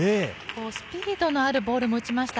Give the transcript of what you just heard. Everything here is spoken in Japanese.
スピードのあるボールを打ちました。